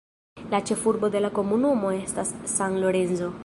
La ĉefurbo de la komunumo estas San Lorenzo.